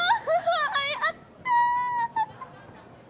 やった！